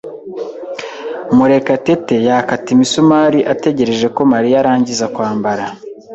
Murekatete yakata imisumari ategereje ko Mariya arangiza kwambara.